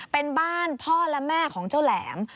เป็นบ้านพ่อและแม่ของเจ้าแหลม